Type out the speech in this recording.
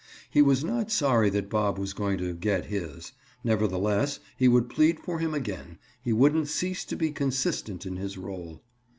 He was not sorry that Bob was going to "get his." Nevertheless, he would plead for him again, he wouldn't cease to be consistent in his role.